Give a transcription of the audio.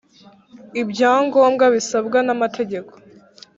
Ibyangombwa bisabwa n amategeko